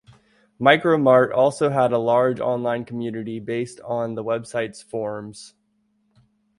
Micro Mart also had a large online community based on the website's forums.